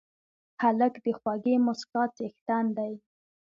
هلک د خوږې موسکا څښتن دی.